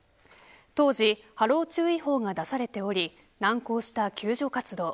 当時、波浪注意報が出されており難航した救助活動。